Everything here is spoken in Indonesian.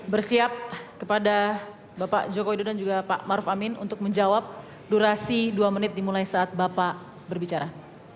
bersiap kepada bapak joko widodo dan juga pak maruf amin untuk menjawab durasi dua menit dimulai saat bapak berbicara